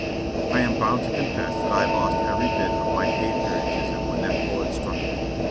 I am bound to confess that I lost every bit of my patriotism when that bullet struck me.